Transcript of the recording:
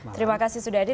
terima kasih sudah hadir